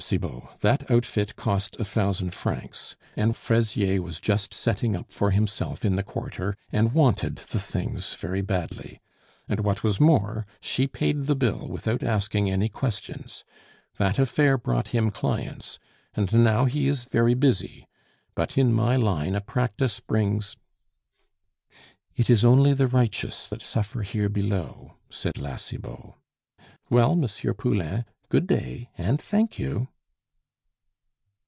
Cibot, that outfit cost a thousand francs, and Fraisier was just setting up for himself in the Quarter, and wanted the things very badly. And what was more, she paid the bill without asking any questions. That affair brought him clients, and now he is very busy; but in my line a practice brings " "It is only the righteous that suffer here below," said La Cibot. "Well, M. Poulain, good day and thank you."